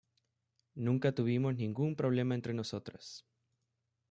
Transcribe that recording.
Nunca tuvimos ningún problema entre nosotras.